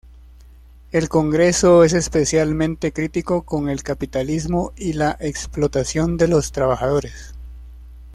El Congreso es especialmente crítico con el capitalismo y la explotación de los trabajadores.